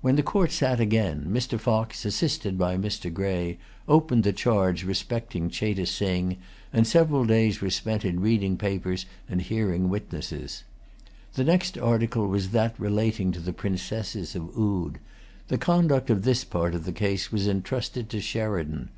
When the Court sat again, Mr. Fox, assisted by Mr. Grey, opened the charge respecting Cheyte Sing, and several days were spent in reading papers and hearing witnesses. The next article was that relating to the Princesses of Oude. The conduct of this part of the case was entrusted to Sheridan.